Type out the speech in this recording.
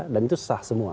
dan itu sah semua